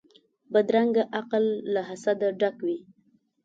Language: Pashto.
بدرنګه عقل له حسده ډک وي